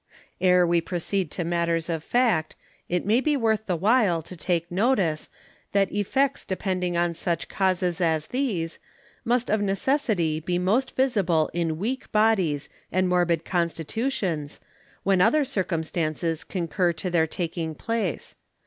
E're we proceed to Matters of Fact, it may be worth the while to take Notice, That Effects depending on such Causes as these, must of necessity be most visible in Weak Bodies and Morbid Constitutions, when other Circumstances concur to their taking Place.